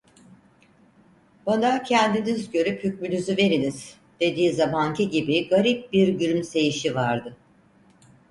Bana, "Kendiniz görüp hükmünüzü veriniz" dediği zamanki gibi garip bir gülümseyişi vardı.